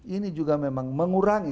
ini juga memang mengurangi